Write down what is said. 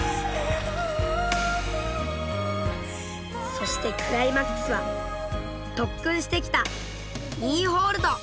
そしてクライマックスは特訓してきた「ニーホールド」！